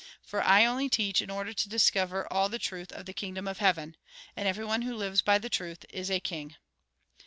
For I only teach, in order to discover to all the truth of the kingdom of heaven. And everyone who lives by the truth, is a king."